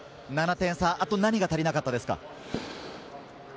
あと何が足りなかったですか？